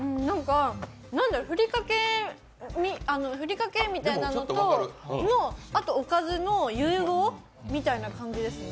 ふりかけみたいなのとあとおかずの融合みたいな感じですね。